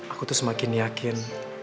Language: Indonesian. aku tuh semakin yakin